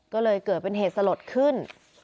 ก็เลยเกิดเป็นเหตุสลดขึ้น